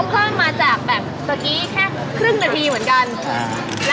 เพิ่มมาจากแบบเมื่อกี้แค่ครึ่งนาทีเหมือนกัน